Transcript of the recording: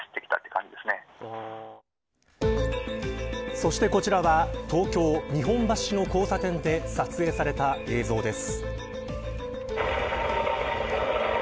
そしてこちらは東京、日本橋の交差点で撮影された映像です。